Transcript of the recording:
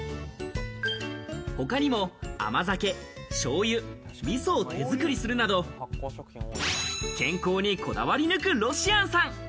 他にも、甘酒、しょうゆ、みそを手作りするなど、健康にこだわり抜くロシアンさん。